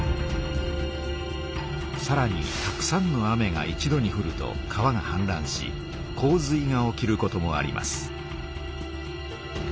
さらにたくさんの雨が一度にふると川がはんらんし洪水が起きることもあります。